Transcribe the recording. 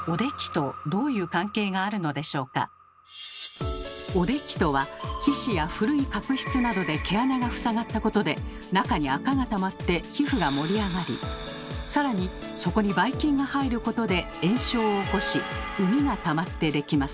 しかしおできとは皮脂や古い角質などで毛穴が塞がったことで中に垢がたまって皮膚が盛り上がりさらにそこにばい菌が入ることで炎症を起こし膿がたまってできます。